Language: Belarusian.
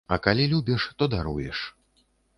А калі любіш, то даруеш.